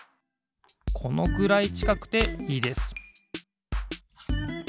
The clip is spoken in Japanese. このくらいちかくていいです